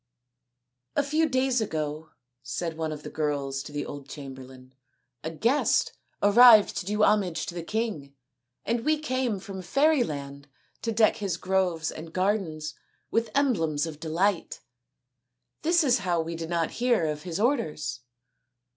" A few days ago," said one of the girls to the old chamberlain, " a guest arrived to do homage to the king, and we came from Fairyland to deck his groves and gardens with emblems of delight. This is how we did not hear of his orders."